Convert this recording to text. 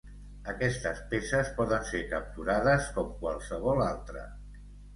Aquestes peces poden ser capturades com qualsevol altra.